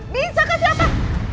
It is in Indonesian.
bisa kasih apa